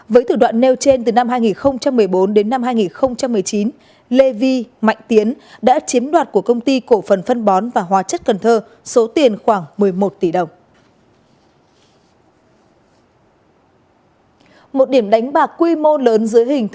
với thử đoạn nêu trên từ năm hai nghìn một mươi bốn đến năm hai nghìn một mươi chín lê vi mạnh tiến đã chiếm đoạt của công ty cổ phần phân bón và hòa trang